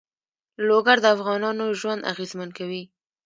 لوگر د افغانانو ژوند اغېزمن کوي.